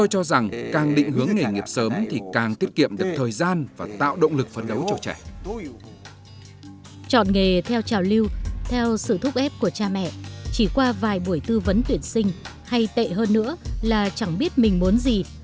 chỉ qua vài buổi tư vấn tuyển sinh hay tệ hơn nữa là chẳng biết mình muốn gì